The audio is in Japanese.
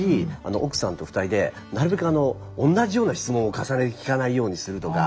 奥さんと２人でなるべく同じような質問を重ねて聞かないようにするとか。